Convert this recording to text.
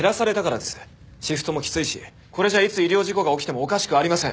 シフトもきついしこれじゃいつ医療事故が起きてもおかしくありません。